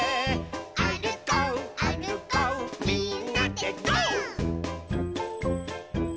「あるこうあるこうみんなでゴー！」